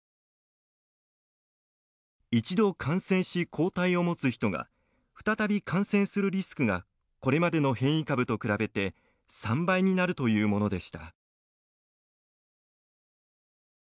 １度感染し、抗体を持つ人が再び感染するリスクがこれまでの変異株と比べて３倍になるというものでした。